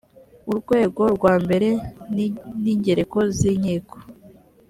urwego rwa mbere n’ingereko z’inkiko